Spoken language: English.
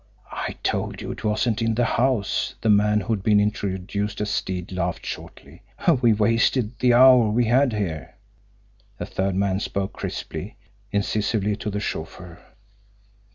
"I told you it wasn't in the house!" the man who had been introduced as Stead laughed shortly. "We wasted the hour we had here." The third man spoke crisply, incisively, to the chauffeur.